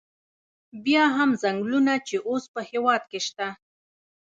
بیا هم څنګلونه چې اوس په هېواد کې شته.